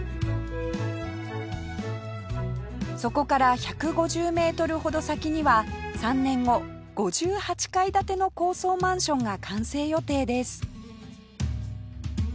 そこから１５０メートルほど先には３年後５８階建ての高層マンションが完成予定です